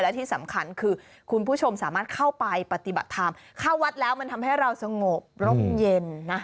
และที่สำคัญคือคุณผู้ชมสามารถเข้าไปปฏิบัติธรรมเข้าวัดแล้วมันทำให้เราสงบร่มเย็นนะ